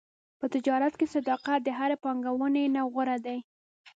په تجارت کې صداقت د هرې پانګونې نه غوره دی.